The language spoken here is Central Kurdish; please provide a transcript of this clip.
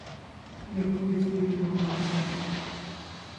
لەکوێ فێری ڕۆمانی بوو؟